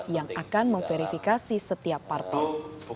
yang akan memverifikasi setiap parpol